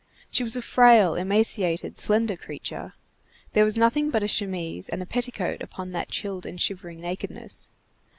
She was a frail, emaciated, slender creature; there was nothing but a chemise and a petticoat upon that chilled and shivering nakedness.